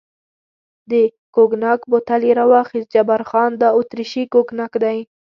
د کوګناک بوتل یې را واخیست، جبار خان: دا اتریشي کوګناک دی.